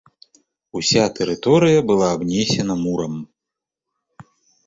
Уся тэрыторыя была абнесена мурам.